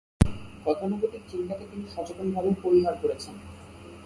গতানুগতিক চিন্তাকে তিনি সচেতনভাবেই পরিহার করেছেন।